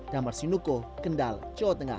damar sinuko kendal jawa tengah